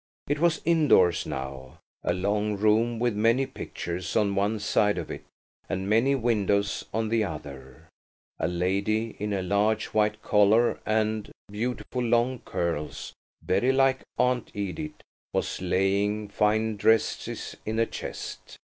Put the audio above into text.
It was indoors now–a long room with many pictures on one side of it and many windows on the other; a lady, in a large white collar and beautiful long curls, very like Aunt Edith, was laying fine dresses in a chest.